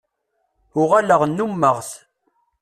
Uɣaleɣ nnumeɣ-t.